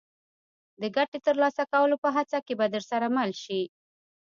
د ګټې ترلاسه کولو په هڅه کې به درسره مل شي.